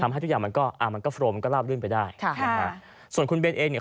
ให้ทุกอย่างมันก็อ่ามันก็โฟรมมันก็ลาบลื่นไปได้ค่ะนะฮะส่วนคุณเบนเองเนี่ย